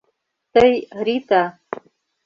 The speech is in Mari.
Тый — Рита...